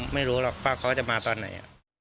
ไม่รู้หรอกว่าเขาจะมาตอนไหน